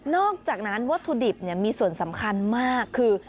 อกจากนั้นวัตถุดิบมีส่วนสำคัญมากคือ